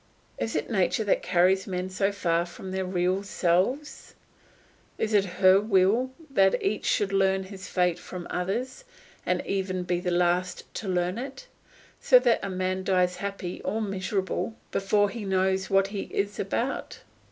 Is it nature that carries men so far from their real selves? Is it her will that each should learn his fate from others and even be the last to learn it; so that a man dies happy or miserable before he knows what he is about.